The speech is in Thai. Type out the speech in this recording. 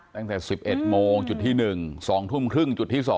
ตั้งแต่๑๑โมงจุดที่๑๒ทุ่มครึ่งจุดที่๒